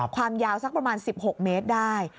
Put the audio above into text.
ความยาวสักประมาณ๑๖เมตรได้